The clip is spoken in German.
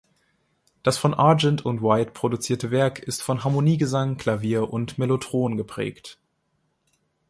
Das von Argent und White produzierte Werk ist von Harmoniegesang, Klavier und Mellotron geprägt.